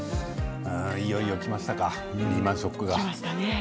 いよいよきましたかリーマンショックが。